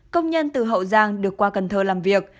công nhân từ hậu giang được qua cần thơ làm việc